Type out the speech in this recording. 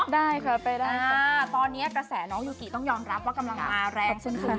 ได้ค่ะไปได้ค่ะตอนนี้กระแสน้องยูกิต้องยอมรับว่ากำลังมาแรงขึ้น